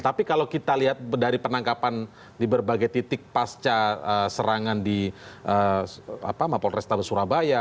tapi kalau kita lihat dari penangkapan di berbagai titik pasca serangan di mapol restabes surabaya